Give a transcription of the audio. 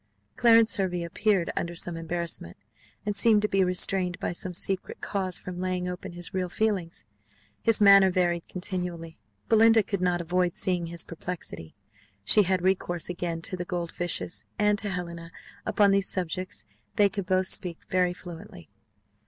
Clarence Hervey appeared under some embarrassment, and seemed to be restrained by some secret cause from laying open his real feelings: his manner varied continually. Belinda could not avoid seeing his perplexity she had recourse again to the gold fishes and to Helena: upon these subjects they could both speak very fluently.